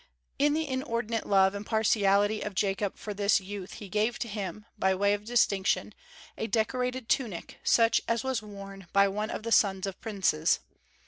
In the inordinate love and partiality of Jacob for this youth he gave to him, by way of distinction, a decorated tunic, such as was worn only by the sons of princes.